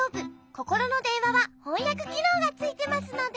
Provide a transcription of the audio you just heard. ココロのでんわはほんやくきのうがついてますので。